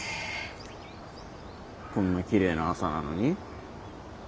こんなきれいな朝なのに？